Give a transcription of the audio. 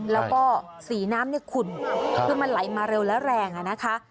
แล้วก็สีน้ำเนี่ยขุ่นคือมันไหลมาเร็วและแรงนะคะ